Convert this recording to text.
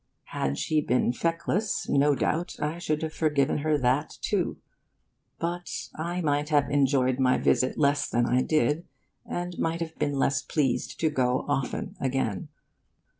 Had she been feckless, no doubt I should have forgiven her that, too; but I might have enjoyed my visit less than I did, and might have been less pleased to go often again.